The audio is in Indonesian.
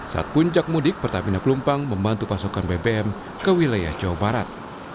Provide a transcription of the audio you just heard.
saat puncak mudik pertamina pelumpang membantu pasokan bbm ke wilayah jawa barat